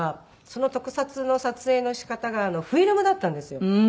その特撮の撮影の仕方がフィルムだったんですよ。